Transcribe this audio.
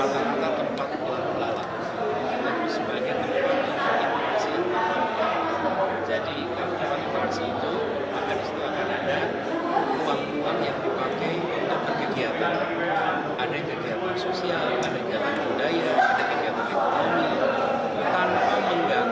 dan juga untuk kebutuhan perang yang melintas